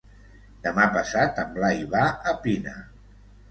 Demà passat en Blai va a Pina.